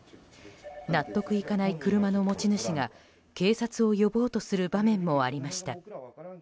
納得いかない車の持ち主が警察を呼ぼうとする場面もありました。